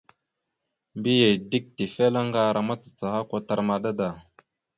Mbiyez dik tefelaŋar a macacaha kwatar maɗa da.